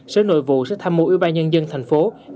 sở nội vụ sẽ tham mô ưu ba nhân dân tp hcm